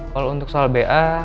kalo untuk soal ba